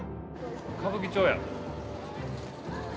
歌舞伎町や！